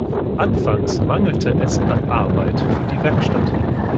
Anfangs mangelte es an Arbeit für die Werkstatt.